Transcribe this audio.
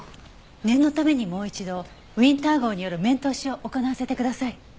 念のためにもう一度ウィンター号による面通しを行わせてください。